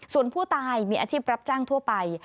ส่วนผู้ตายมีอาชีพรับจ้างทั่วไป